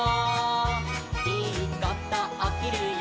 「いいことおきるよ